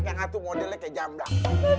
yang atuh modelnya kayak jambang